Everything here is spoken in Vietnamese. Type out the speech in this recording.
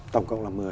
tổng cộng là một mươi